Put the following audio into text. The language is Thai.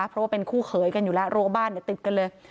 เพราะว่าเป็นคู่เขยกันอยู่แล้วรัวบ้านติดกันเลย